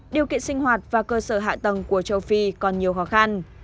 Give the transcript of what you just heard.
điều kiện sinh hoạt và cơ sở hạ tầng của châu phi còn nhiều khó khăn